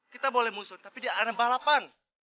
kita boleh musuhin tapi di arena balapan